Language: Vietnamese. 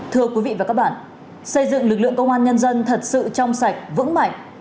thưa quý vị và các bạn xây dựng lực lượng công an nhân dân thật sự trong sạch vững mạnh